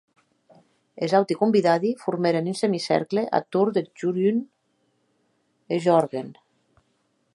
Es auti convidadi formèren un semicercle ath torn de Jorun e Jorgen.